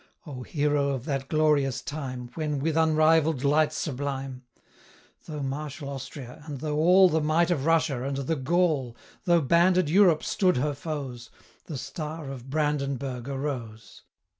Oh, hero of that glorious time, When, with unrivall'd light sublime, 50 Though martial Austria, and though all The might of Russia, and the Gaul, Though banded Europe stood her foes The star of Brandenburgh arose!